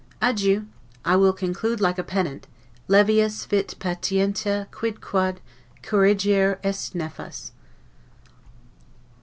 Adieu! I will conclude like a pedant, 'Levius fit patientia quicquid corrigere est nefas.